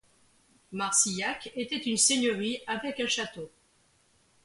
Marcillac était une seigneurie avec un château.